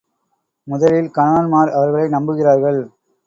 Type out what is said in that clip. முதலில் கணவன்மார் அவர்களை நம்புகிறார்கள்.